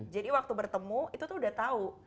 jadi waktu bertemu itu tuh udah tahu